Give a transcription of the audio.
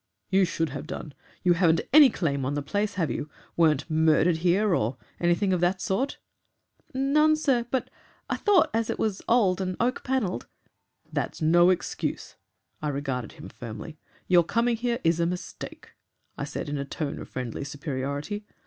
"'You should have done. You haven't any claim on the place, have you? Weren't murdered here, or anything of that sort?' "'None, sir; but I thought as it was old and oak panelled ' "'That's NO excuse.' I regarded him firmly. 'Your coming here is a mistake,' I said, in a tone of friendly superiority.